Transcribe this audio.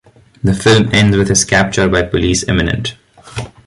The film ends with his capture by police imminent.